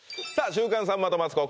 「週刊さんまとマツコ」